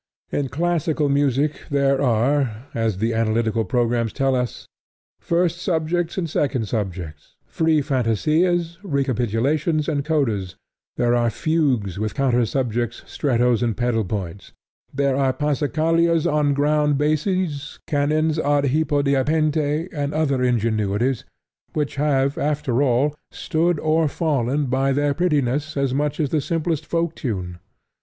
In classical music there are, as the analytical programs tell us, first subjects and second subjects, free fantasias, recapitulations, and codas; there are fugues, with counter subjects, strettos, and pedal points; there are passacaglias on ground basses, canons ad hypodiapente, and other ingenuities, which have, after all, stood or fallen by their prettiness as much as the simplest folk tune.